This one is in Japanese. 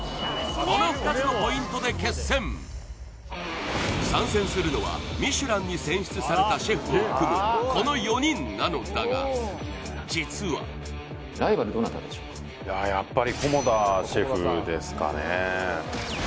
この２つのポイントで決戦参戦するのはミシュランに選出されたシェフを含むこの４人なのだが実はいややっぱり菰田シェフですかね